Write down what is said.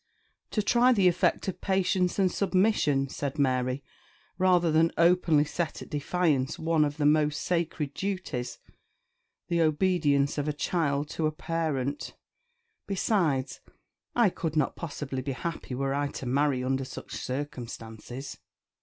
"To try the effect of patience and submission," said Mary, "rather than openly set at defiance one of the most sacred duties the obedience of a child to a parent. Besides, I could not possibly be happy were I to marry under such circumstances."